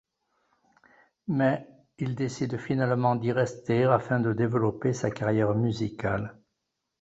Mais, il décide finalement d'y rester afin de développer sa carrière musicale.